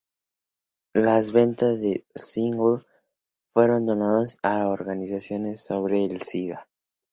Las ventas del single fueron donados a organizaciones sobre el sida.